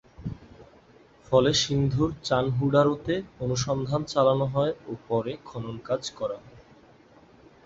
ফলে সিন্ধুর চানহুডারোতে অনুসন্ধান চালানো হয় ও পরে খনন কাজ করা হয়।